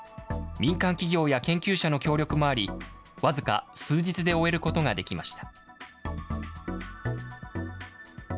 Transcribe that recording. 民間企業や研究者の協力もあり、僅か数日で終えることができました。